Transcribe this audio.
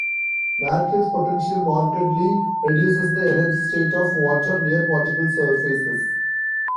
Matrix potential markedly reduces the energy state of water near particle surfaces.